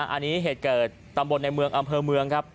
อันนี้เหตุเกิดตำบลในเมืองอำเภอเมืองครับ